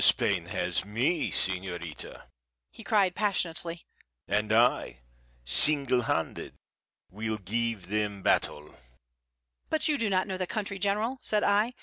"Spain has me, señorita!" he cried, passionately. "And I single handed will give them battle." "But you do not know the country, General," said I.